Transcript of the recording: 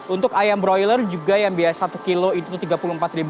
untuk ayam broiler juga yang biasa satu kilo itu rp tiga puluh empat